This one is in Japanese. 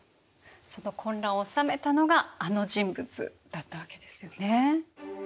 その混乱を収めたのがあの人物だったわけですよね。